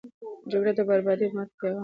جګړه د بربادي او ماتم پیغام راوړي.